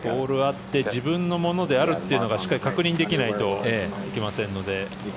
自分のものであるというのをしっかり確認できないといけませんので。